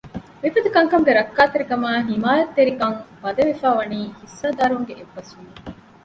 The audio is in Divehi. މިފަދަ ކަންކަމުގެ ރައްކާތެރިކާއި ހިމާޔަތްތެރިކަން ބަނދެވިފައި ވަނީ ހިއްސާދާރުންގެ އެއްބަސްވުމުން